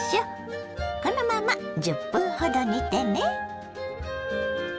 このまま１０分ほど煮てね。